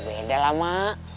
beda lah mak